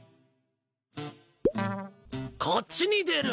こっちに出る。